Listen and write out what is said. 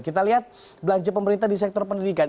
kita lihat belanja pemerintah di sektor pendidikan